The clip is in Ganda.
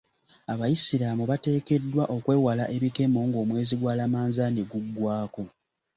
Abayisiraamu bateekeddwa okwewala ebikemo ng'omwezi gwa Lamanzaani guggwako.